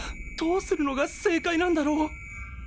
どうするのが正解なんだろう。